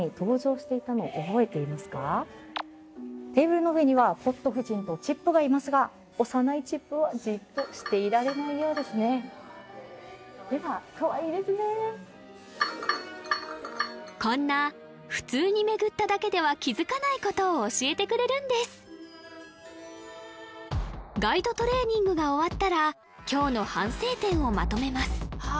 テーブルの上にはポット夫人とチップがいますが幼いチップはではかわいいですねこんな普通に巡っただけでは気づかないことを教えてくれるんですガイドトレーニングが終わったら今日の反省点をまとめます